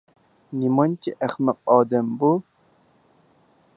نېمانچە ئەخمەق ئادەم بۇ.